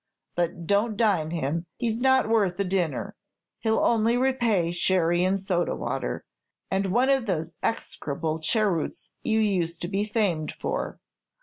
But don't dine him; he's not worth a dinner. He 'll only repay sherry and soda water, and one of those execrable cheroots you used to be famed for.